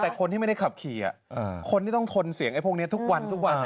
แต่คนที่ไม่ได้ขับขี่คนที่ต้องทนเสียงไอ้พวกนี้ทุกวันทุกวัน